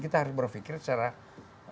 kita harus berpikir secara